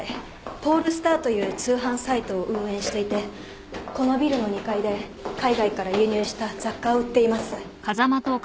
ポールスターという通販サイトを運営していてこのビルの２階で海外から輸入した雑貨を売っています。